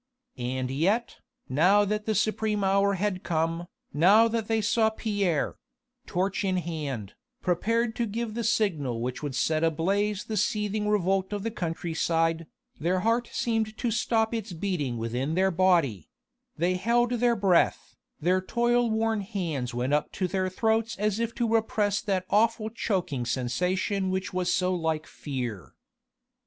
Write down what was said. And yet, now that the supreme hour had come, now that they saw Pierre torch in hand prepared to give the signal which would set ablaze the seething revolt of the countryside, their heart seemed to stop its beating within their body; they held their breath, their toil worn hands went up to their throats as if to repress that awful choking sensation which was so like fear.